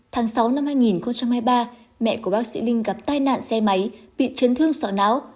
tháng sáu năm hai nghìn hai mươi ba mẹ của bác sĩ linh gặp tai nạn xe máy bị chấn thương sọ não